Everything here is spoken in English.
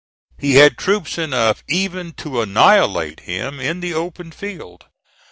He had troops enough even to annihilate him in the open field.